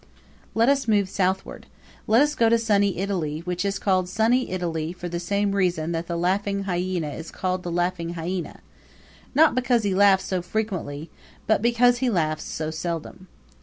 Let us move southward. Let us go to Sunny Italy, which is called Sunny Italy for the same reason that the laughing hyena is called the laughing hyena not because he laughs so frequently, but because he laughs so seldom.